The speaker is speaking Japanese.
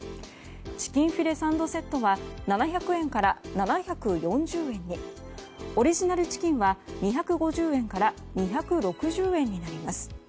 チキンフィレサンドセットは７００円から７４０円にオリジナルチキンは２５０円から２６０円になります。